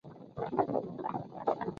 文宗说不妨任李宗闵为州刺史。